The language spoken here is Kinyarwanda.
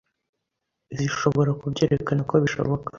zishobora kubyerekana ko bishoboka